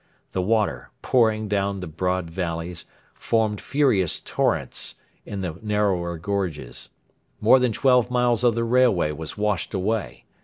The water, pouring down the broad valleys, formed furious torrents in the narrower gorges. More than twelve miles of the railway was washed away.